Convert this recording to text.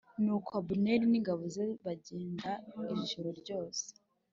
Nuko Abuneri n’ingabo ze bagenda ijoro ryose